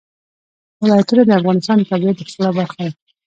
ولایتونه د افغانستان د طبیعت د ښکلا برخه ده.